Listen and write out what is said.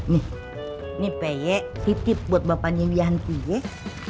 nih nih peye titip buat bapaknya wianti yes